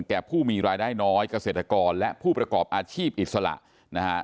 แก่ผู้มีรายได้น้อยเกษตรกรและผู้ประกอบอาชีพอิสระนะฮะ